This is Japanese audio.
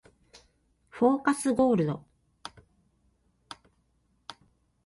フォーカスゴールド